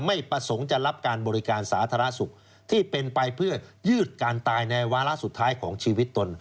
ไม่ประสงค์จะรับการบริการสาธารณสุขที่เป็นไปเพื่อยืดการตายในวาระสุดท้ายของชีวิตตน